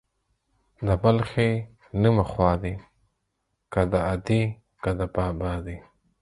د بل ښې نيمه خوا دي ، که د ادې که د بابا دي.